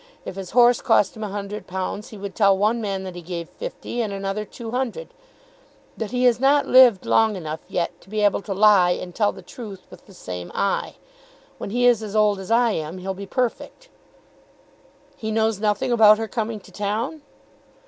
If his horse cost him a hundred pounds, he would tell one man that he gave fifty, and another two hundred. But he has not lived long enough yet to be able to lie and tell the truth with the same eye. When he is as old as I am he'll be perfect." "He knows nothing about her coming to town?"